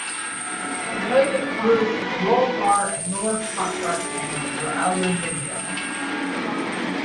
The hood, roof, roll bar and lower front guard panels are aluminium.